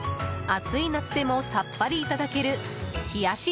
暑い夏でもさっぱりいただける冷やし